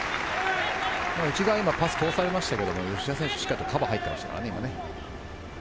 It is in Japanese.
内側にパスを通されましたが、吉田選手がしっかりカバーに入っていました。